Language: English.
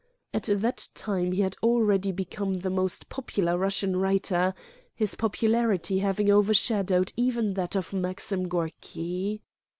At that time he had already become the most popular Russian writer, his popularity having overshadowed even that of Maxim Gorky.